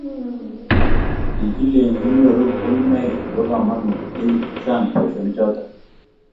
kikilenji nyoru konunoek chebo kamanut ye wirji sang' boisionichoto